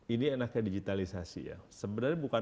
ini adalah ke digitalisasi ya sebenarnya bukan